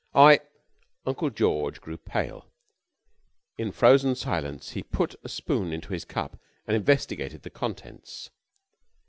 I " Uncle George grew pale. In frozen silence he put a spoon into his cup and investigated the contents.